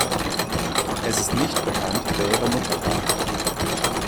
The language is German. Es ist nicht bekannt, wer ihre Mutter war.